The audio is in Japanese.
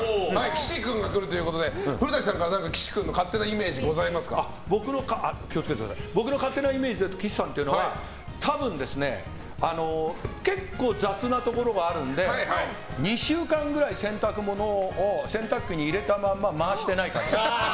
岸君が来るということで古舘さんから岸君の勝手なイメージ僕の勝手なイメージだと岸さんというのは多分結構雑なところがあるので２週間ぐらい洗濯物を洗濯機に入れたまま回していない感じ。